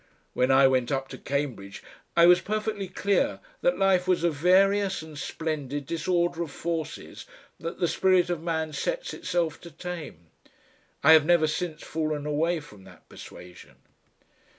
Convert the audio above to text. When I went up to Cambridge I was perfectly clear that life was a various and splendid disorder of forces that the spirit of man sets itself to tame. I have never since fallen away from that persuasion.